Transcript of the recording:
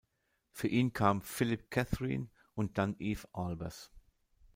Für ihn kam Philip Catherine und dann Eef Albers.